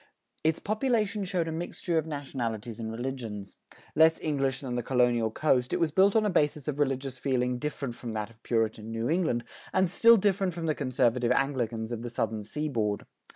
Its population showed a mixture of nationalities and religions. Less English than the colonial coast, it was built on a basis of religious feeling different from that of Puritan New England, and still different from the conservative Anglicans of the southern seaboard.